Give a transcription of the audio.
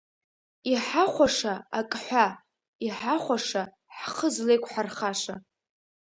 Иҳахәаша ак ҳәа, иҳахәаша, ҳхы злеиқәҳархаша.